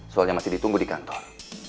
soalnya masih ditunggu di kantor